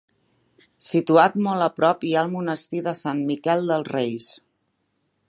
Situat molt a prop hi ha el Monestir de Sant Miquel dels Reis.